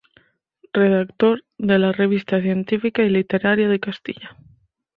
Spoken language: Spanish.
Redactor de la "Revista científica y literaria de Castilla".